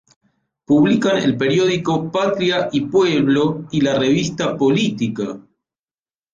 Publican el periódico Patria y Pueblo y la revista Política.